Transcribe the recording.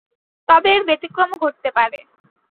তবে এর ব্যতিক্রম ও ঘটতে পারে।